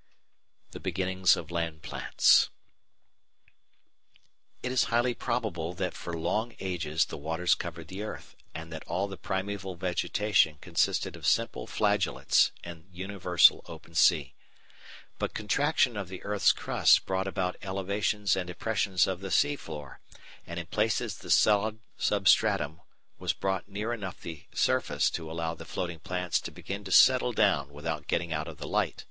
§ 2 The Beginnings of Land Plants It is highly probable that for long ages the waters covered the earth, and that all the primeval vegetation consisted of simple Flagellates in the universal Open Sea. But contraction of the earth's crust brought about elevations and depressions of the sea floor, and in places the solid substratum was brought near enough the surface to allow the floating plants to begin to settle down without getting out of the light.